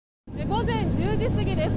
午前１０時過ぎです。